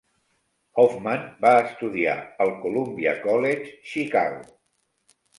Hofmann va estudiar al Columbia College Chicago.